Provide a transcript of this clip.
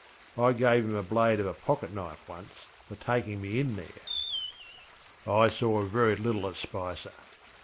I gave him a blade of a pocket knife once, for taking me in there. I saw very little of Spicer.